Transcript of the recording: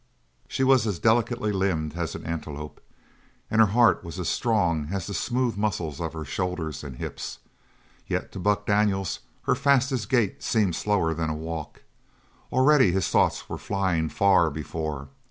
She was as delicately limbed as an antelope, and her heart was as strong as the smooth muscles of her shoulders and hips. Yet to Buck Daniels her fastest gait seemed slower than a walk. Already his thoughts were flying far before.